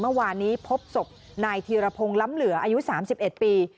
เมื่อวานี้พบศพนายธีรพงศ์ล้ำเหลืออายุสามสิบเอ็ดปี